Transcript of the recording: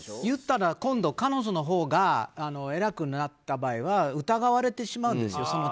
言ったら今度、彼女のほうが偉くなった場合は疑われてしまうんです。